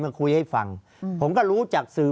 ภารกิจสรรค์ภารกิจสรรค์